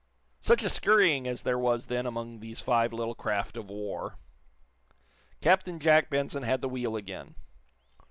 Such a scurrying as there was then among these five little craft of war! Captain Jack Benson had the wheel again.